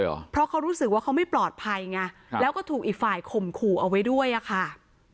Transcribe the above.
ว่าเขาไม่ปลอดภัยไงแล้วก็ถูกอีกฝ่ายข่มขู่เอาไว้ด้วยอ่ะค่ะ